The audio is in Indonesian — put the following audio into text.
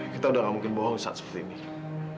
kita udah gak mungkin bohong saat seperti ini